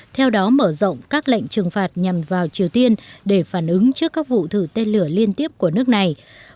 theo đó mở rộng các lệnh trừng phạt nhằm vào triều tiên để phản ứng trước các vụ thử tên lửa liên tiếp của nước này